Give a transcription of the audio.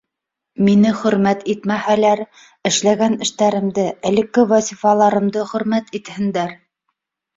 Мине хөрмәт итмәһәләр, эшләгән эштәремде, элекке вазифаларымды хөрмәт итһендәр!